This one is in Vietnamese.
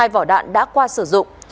hai vỏ đạn đã qua sử dụng